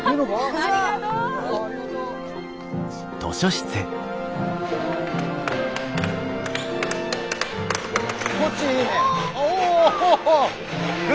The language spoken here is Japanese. ありがとう。こっちいいね！